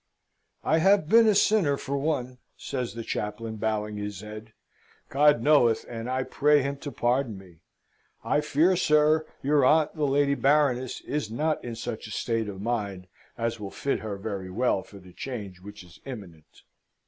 "I have been a sinner for one," says the chaplain, bowing his head. "God knoweth, and I pray Him to pardon me. I fear, sir, your aunt, the Lady Baroness, is not in such a state of mind as will fit her very well for the change which is imminent.